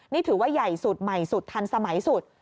นี่ถือว่าใหญ่สุดใหม่สุดทันสมัยสุด